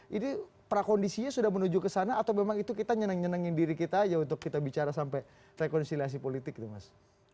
jadi prakondisinya sudah menuju ke sana atau memang itu kita nyenengin diri kita aja untuk kita bicara sampai rekonsiliasi politik itu mas